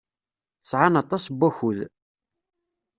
Sɛan aṭas n wakud.